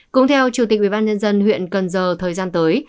cũng theo chủ tịch ubnd huyện cần giờ thời gian tới